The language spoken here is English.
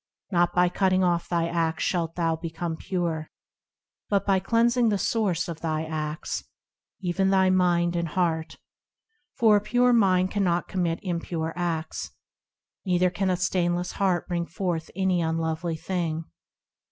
Not by cutting off thy acts shalt thou become pure, But by cleansing the source of thy acts, Even thy mind and heart, For a pure mind cannot commit impure acts, Neither can a stainless heart bring forth any unlovely thing.